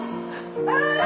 はい